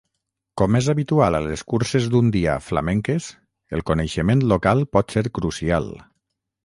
Com és habitual a les curses d'un dia flamenques, el coneixement local pot ser crucial.